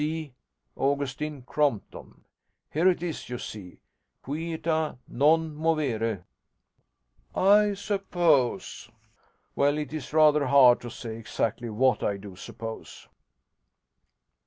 C. Augustine Crompton. Here it is, you see quieta non movere. I suppose Well, it is rather hard to say exactly what I do suppose.'